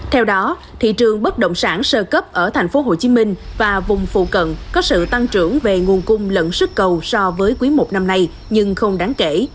theo đó thị trường bất động sản sơ cấp ở tp hcm và vùng phụ cận có sự tăng trưởng về nguồn cung lẫn sức cầu so với quý một năm nay nhưng không đáng kể